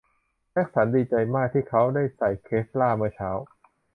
แจ็คสันดีใจมากที่เขาได้ใส่เคฟลาร์เมื่อเช้า